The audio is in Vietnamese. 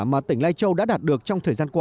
mà tỉnh lai châu đã đạt được trong thời gian qua